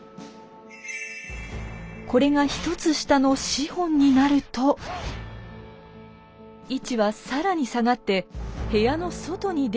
これが１つ下の「四品」になると位置は更に下がって部屋の外に出ることに。